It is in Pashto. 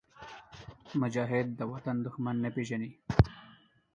مجاهد د وطن دښمن نه پېژني.